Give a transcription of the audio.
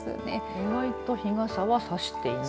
意外と日傘は差していない。